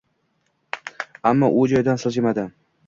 Ammo u joyidan siljimadi.